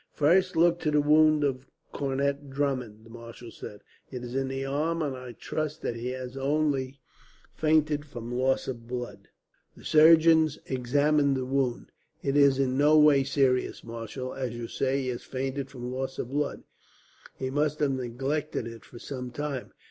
"First look to the wound of Cornet Drummond," the marshal said. "It is in the arm, and I trust that he has only fainted from loss of blood." The surgeons examined the wound. "It is in no way serious, marshal. As you say, he has fainted from loss of blood. He must have neglected it for some time.